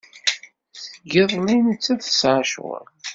Seg iḍelli nettat tesɛa ccɣel.